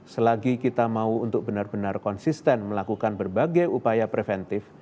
selagi kita mau untuk benar benar konsisten melakukan berbagai upaya preventif